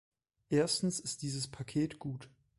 Erstens ist dieses Paket gut.